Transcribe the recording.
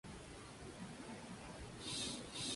Está completamente cubierta por la nieve.